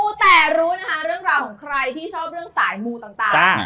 แต่รู้นะคะเรื่องราวของใครที่ชอบเรื่องสายมูต่าง